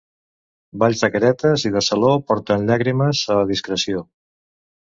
Balls de caretes i de saló porten llàgrimes a discreció.